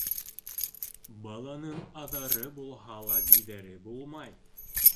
Баланың аҙары булһа ла биҙәре булмай.